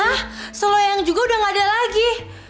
hah se loyang juga udah nggak ada lagi